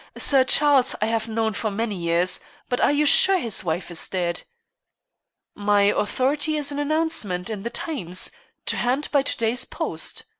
Sir Charles I have known for many years. But are you sure his wife is dead?" "My authority is an announcement in the Times to hand by to day's post.